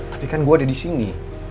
tapi kan gue ada disini